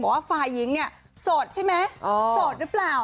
ว่าฝ่ายหญิงเนี่ยโสดใช่ไหมโสดหรือเปล่า